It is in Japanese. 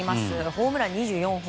ホームラン２４本。